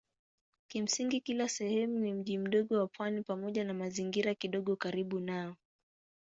Kimsingi kila sehemu ni mji mdogo wa pwani pamoja na mazingira kidogo karibu nao.